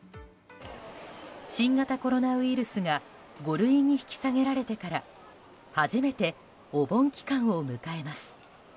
新型コロナウイルスが５類に引き下げられてから初めて、お盆期間を迎えます。